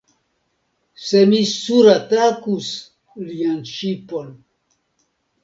Se mi suratakus lian ŝipon!